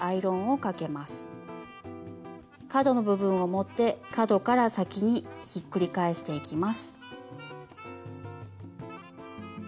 角の部分を持って角から先にひっくり返していきます。